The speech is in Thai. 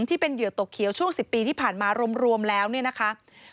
ที่เป็นเหยื่อตกเขียวช่วง๑๐ปีที่ผ่านมารวมแล้วเนี่ยนะคะ